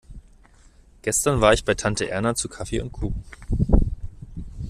Gestern war ich bei Tante Erna zu Kaffee und Kuchen.